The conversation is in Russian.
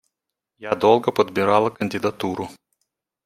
Я долго подбирала кандидатуру.